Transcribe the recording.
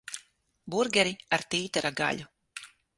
Burgeri ar tītara gaļu.